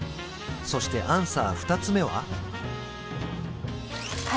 そしてアンサー２つ目は？